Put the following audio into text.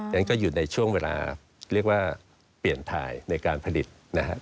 ฉะนั้นก็อยู่ในช่วงเวลาเรียกว่าเปลี่ยนถ่ายในการผลิตนะครับ